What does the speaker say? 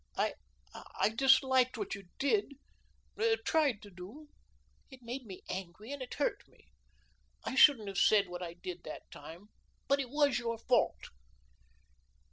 "I I disliked what you did TRIED to do. It made me angry and it hurt me. I shouldn't have said what I did that time, but it was your fault."